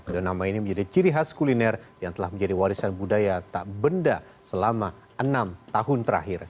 dan nama ini menjadi ciri khas kuliner yang telah menjadi warisan budaya tak benda selama enam tahun terakhir